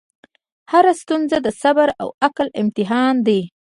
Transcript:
هره ستونزه د صبر او عقل امتحان دی.